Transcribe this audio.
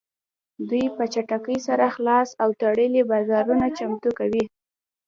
دوی په چټکۍ سره خلاص او تړلي بازارونه چمتو کوي